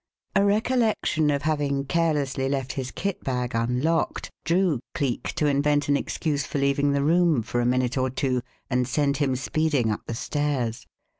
A recollection of having carelessly left his kit bag unlocked drew Cleek to invent an excuse for leaving the room for a minute or two and sent him speeding up the stairs.